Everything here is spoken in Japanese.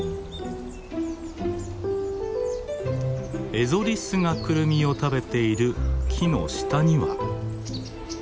エゾリスがクルミを食べている木の下には。